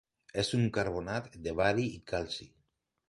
És un carbonat de bari i calci.